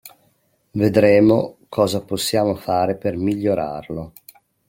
Vedremo cosa possiamo fare per migliorarlo.